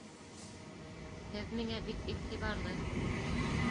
Һеҙ миңә бик иғтибарлы